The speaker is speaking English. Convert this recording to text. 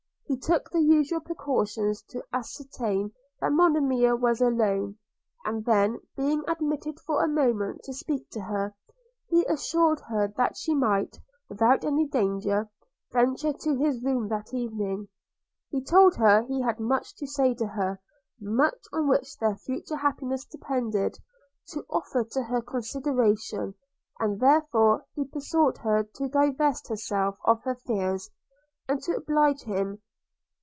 He took the usual precautions to ascertain that Monimia was alone; and then, being admitted for a moment to speak to her, he assured her that she might, without any danger, venture to his room that evening. He told her he had much to say to her – much, on which their future happiness depended, to offer to her consideration; and therefore he besought her to divest herself of her fears, and to oblige him.